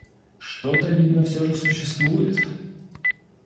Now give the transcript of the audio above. Что-то, видно, всё же существует?